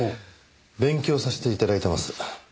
勉強させて頂いてます。